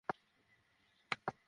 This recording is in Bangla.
আমরা ঠিক পথে যাচ্ছি তো?